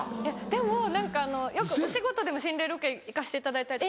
でも何かよくお仕事でも心霊ロケ行かせていただいたり。